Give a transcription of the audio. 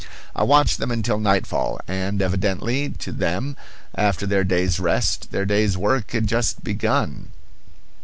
I watched them until nightfall, and evidently, to them, after their day's rest, their day's work had just begun.